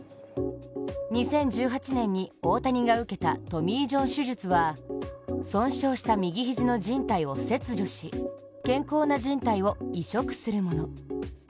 ２０１８年に大谷が受けたトミー・ジョン手術は損傷した右肘のじん帯を切除し健康なじん帯を移植するもの。